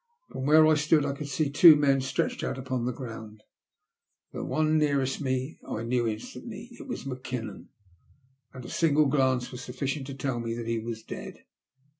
From where I stood I could see two men stretched out upon the ground. The one nearest me I knew instantly. It was Mackinnon, and a single glance was sufficient to tell me that he was dead.